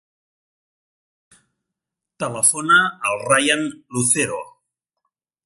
Telefona al Rayan Lucero.